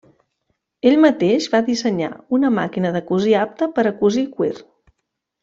Ell mateix va dissenyar una màquina de cosir apte per a cosir cuir.